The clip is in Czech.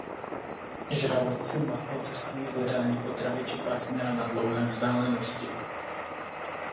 Žraloci mako cestují v hledání potravy či partnera na dlouhé vzdálenosti.